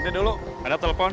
nanti dulu ada telepon